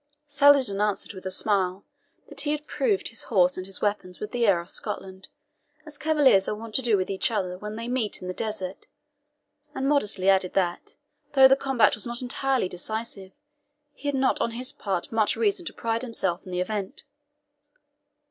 Saladin answered with a smile that he had proved his horse and his weapons with the heir of Scotland, as cavaliers are wont to do with each other when they meet in the desert; and modestly added that, though the combat was not entirely decisive, he had not on his part much reason to pride himself on the event.